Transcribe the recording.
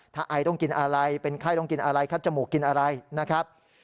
ถ้าไอต้องกินอะไรเป็นไข้ต้องกินอะไรคัดจมูกกินอะไรนะครับ